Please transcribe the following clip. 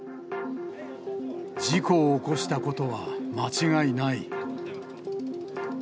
事故を起こしたことは間違いない。